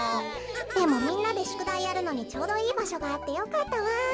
でもみんなでしゅくだいやるのにちょうどいいばしょがあってよかったわ。